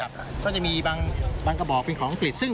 ก็จะมีบางกระบอกเป็นของผลิต